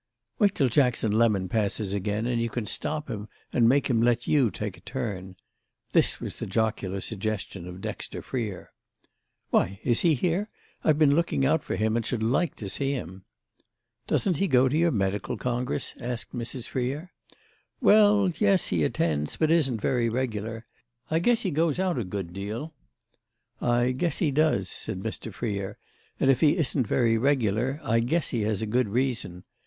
"Wait till Jackson Lemon passes again and you can stop him and make him let you take a turn." This was the jocular suggestion of Dexter Freer. "Why, is he here? I've been looking out for him and should like to see him." "Doesn't he go to your medical congress?" asked Mrs. Freer. "Well yes, he attends—but isn't very regular. I guess he goes out a good deal." "I guess he does," said Mr. Freer; "and if he isn't very regular I guess he has a good reason.